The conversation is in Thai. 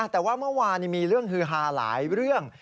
แต่ว่าเมื่อวานมีเรื่องฮือฮาหลายเรื่อง